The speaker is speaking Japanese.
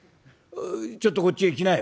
「ちょっとこっちへ来なよ。